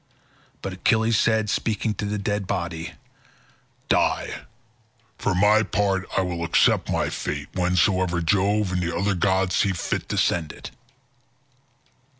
But Achilles said, speaking to the dead body, "Die; for my part I will accept my fate whensoever Jove and the other gods see fit to send it."